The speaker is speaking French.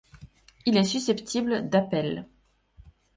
Il est susceptible d'appel.